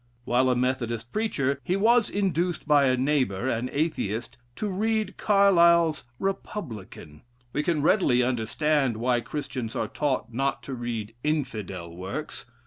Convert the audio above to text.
While a Methodist preacher, he was induced by a neighbor, an Atheist, to read Carlile's "Republican." We can readily understand why Christians are taught not to read "Infidel" works.